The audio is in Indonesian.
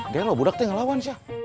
dia lo budaknya ngelawan